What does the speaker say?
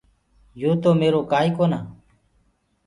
يو تو ميرو ڪآ ئيٚ ڪونآ۔